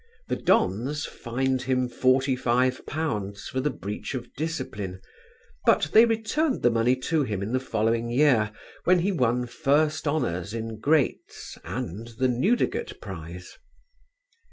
The Dons fined him forty five pounds for the breach of discipline; but they returned the money to him in the following year when he won First Honours in "Greats" and the Newdigate prize.